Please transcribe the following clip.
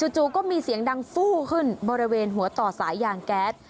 จู่ก็มีเสียงดังฟู้ขึ้นบริเวณหัวต่อสายยางแก๊ส